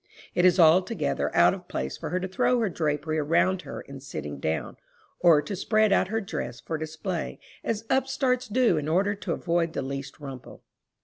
It is altogether out of place for her to throw her drapery around her in sitting down, or to spread out her dress for display, as upstarts do in order to avoid the least rumple.